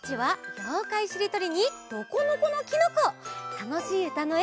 たのしいうたのえ